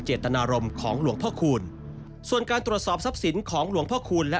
เจตนารมณ์ของหลวงพ่อคูณ